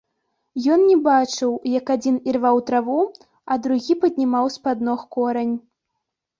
Ён не бачыў, як адзін ірваў траву, а другі паднімаў з-пад ног корань.